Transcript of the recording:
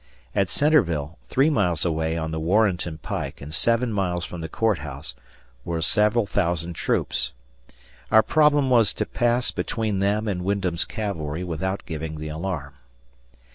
At Centreville, three miles away on the Warrenton pike and seven miles from the Court House, were several thousand troops. Our problem was to pass between them and Wyndham's cavalry without giving the alarm.